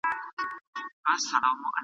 کومي ټولني تر ټولو زیاتي بېوزله دي؟